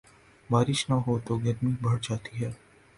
بارش نہ ہوتو گرمی بڑھ جاتی ہے۔